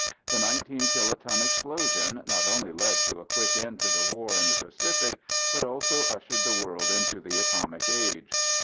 The 19 kiloton explosion not only led to a quick end to the war in the Pacific but also ushered the world into the atomic age.